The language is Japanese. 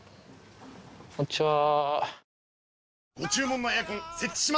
こんにちは。